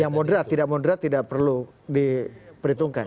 yang moderat tidak moderat tidak perlu diperhitungkan